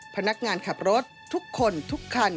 พนักงานขับรถทุกคนทุกคัน